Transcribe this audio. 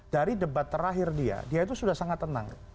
dari debat terakhir dia dia itu sudah sangat tenang